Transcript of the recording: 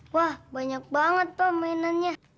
wah banyak banget pa mainannya